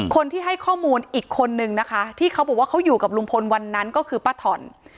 คนที่ให้ข้อมูลอีกคนนึงนะคะที่เขาบอกว่าเขาอยู่กับลุงพลวันนั้นก็คือป้าถ่อน